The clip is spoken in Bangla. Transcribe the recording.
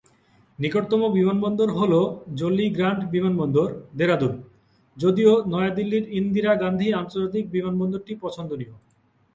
নিকটতম বিমানবন্দর হল জলি গ্রান্ট বিমানবন্দর, দেরাদুন, যদিও নয়াদিল্লির ইন্দিরা গান্ধী আন্তর্জাতিক বিমানবন্দরটি পছন্দনীয়।